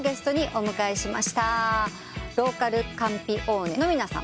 ローカルカンピオーネの皆さん。